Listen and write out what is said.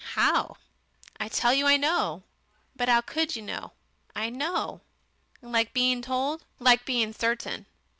"'Ow?" "I tell you I know." "But 'ow COULD you know?" "I know." "Like being told?" "Like being certain.